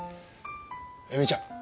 恵美ちゃん